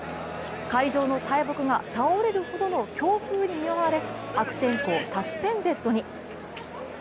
会場の大木が倒れるほどの強風に見舞われ、悪天候サスペンデッドに。